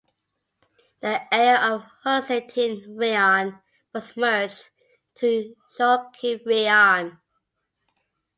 The area of Husiatyn Raion was merged into Chortkiv Raion.